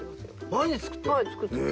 毎日作ってるの？